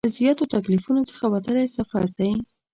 له زیاتو تکلیفونو څخه وتلی سفر دی.